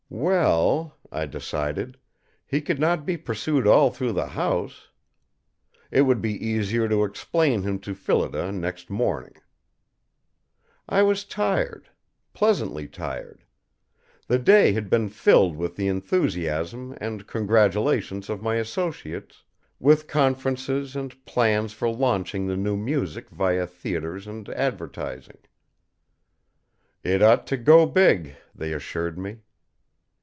Well, I decided, he could not be pursued all through the house. It would be easier to explain him to Phillida next morning. I was tired; pleasantly tired. The day had been filled with the enthusiasm and congratulations of my associates, with conferences and plans for launching the new music via theatres and advertising. It ought to "go big," they assured me.